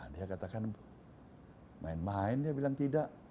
dia katakan main main dia bilang tidak